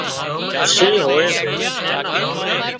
شِينهن هوئي سي